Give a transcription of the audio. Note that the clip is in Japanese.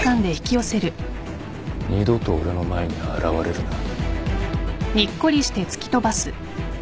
二度と俺の前に現れるな。